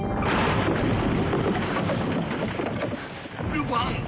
ルパン！